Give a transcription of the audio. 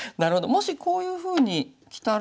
もしこういうふうにきたら。